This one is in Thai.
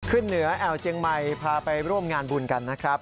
ขึ้นเหนือแอวเจียงใหม่พาไปร่วมงานบุญกันนะครับ